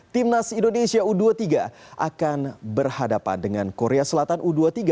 timnas indonesia u dua puluh tiga akan berhadapan dengan korea selatan u dua puluh tiga